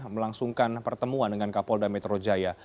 melangsungkan pertemuan dengan kapolda metro jaya